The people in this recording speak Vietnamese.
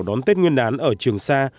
đón tết nguyên đán ở trường sa